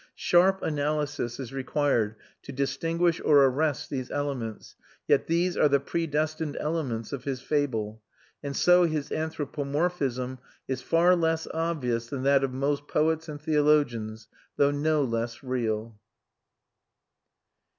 Sharp analysis is required to distinguish or arrest these elements, yet these are the predestined elements of his fable; and so his anthropomorphism is far less obvious than that of most poets and theologians, though no less real.